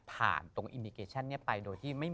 พี่ยังไม่ได้เลิกแต่พี่ยังไม่ได้เลิก